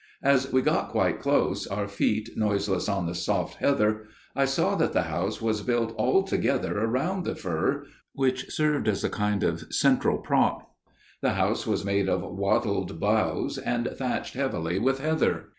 As we got quite close, our feet noiseless on the soft heather, I saw that the house was built altogether round the fir, which served as a kind of central prop. The house was made of wattled boughs, and thatched heavily with heather.